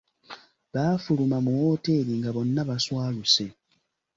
Baafuluma mu wooteeri nga bonna baswaluse.